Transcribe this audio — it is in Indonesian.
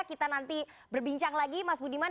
kita nanti berbincang lagi mas budiman